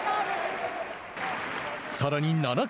さらに７回。